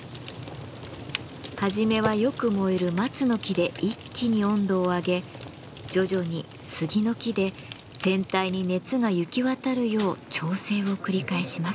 はじめはよく燃える松の木で一気に温度を上げ徐々に杉の木で全体に熱が行き渡るよう調整を繰り返します。